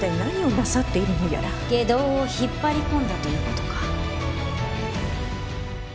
外道を引っ張り込んだということか。